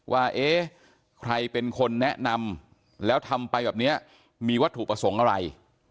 ว่าเอ๊ะใครเป็นคนแนะนำแล้วทำไปแบบนี้มีวัตถุประสงค์อะไร